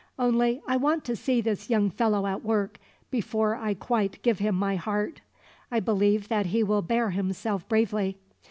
Only I want to see this young fellow at work, before I quite give him my heart. I believe that he will bear himself bravely.